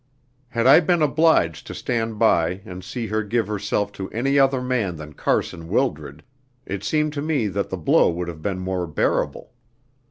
Had I been obliged to stand by and see her give herself to any other man than Carson Wildred, it seemed to me that the blow would have been more bearable.